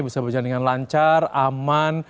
bisa berjalan dengan lancar aman